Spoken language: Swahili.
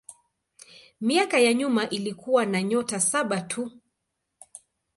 Miaka ya nyuma ilikuwa na nyota saba tu.